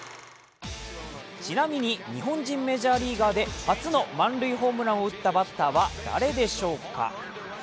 ちなみに日本人メジャーリーガーで初の満塁ホームランを打ったバッターは誰でしょうか？